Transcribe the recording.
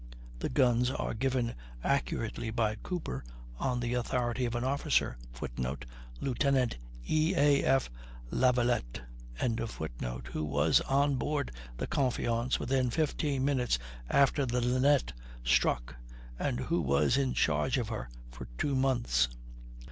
The guns are given accurately by Cooper, on the authority of an officer [Footnote: Lieutenant E. A. F. Lavallette.] who was on board the Confiance within 15 minutes after the Linnet struck, and who was in charge of her for two months.